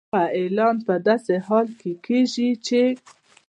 دغه اعلان په داسې حال کې کېږي چې